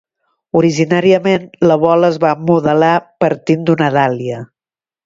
Originàriament, la bola es va modelar partint d'una dàlia.